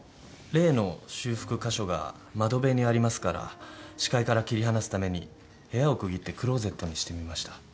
例の修復箇所が窓辺にありますから視界から切り離すために部屋を区切ってクローゼットにしてみました。